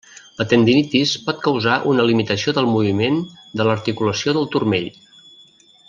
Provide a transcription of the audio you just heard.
La tendinitis pot causar una limitació del moviment de l'articulació del turmell.